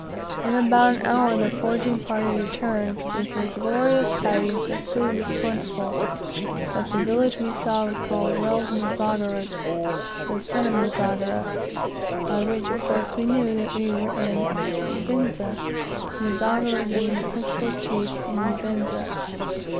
In about an hour the foraging party returned with the glorious tidings that food was plentiful; that the village we saw was called, "Welled Nzogera's" the son of Nzogera by which, of course, we knew that we were in Uvinza, Nzogera being the principal chief in Uvinza.